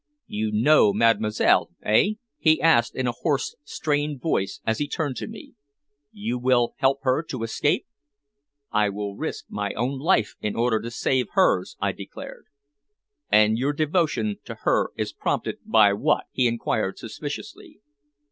"You know Mademoiselle eh?" he asked in a hoarse, strained voice as he turned to me. "You will help her to escape?" "I will risk my own life in order to save hers," I declared. "And your devotion to her is prompted by what?" he inquired suspiciously.